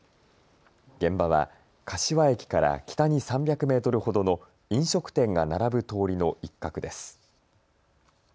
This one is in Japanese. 現場は柏駅から北に３００メートルほどの飲食店が並ぶ通りの一角です。